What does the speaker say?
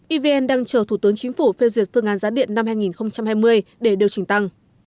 evn đang chờ thủ tướng chính phủ phê duyệt phương án giá điện năm hai nghìn hai mươi để điều chỉnh tăng